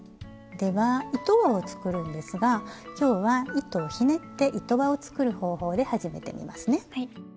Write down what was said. では糸輪を作るんですが今日は糸をひねって糸輪を作る方法で始めてみますね。